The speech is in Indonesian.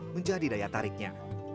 menjadi daya tariknya